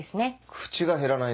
口が減らないな。